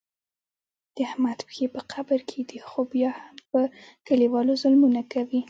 د احمد پښې په قبر کې دي خو بیا هم په کلیوالو ظلمونه کوي.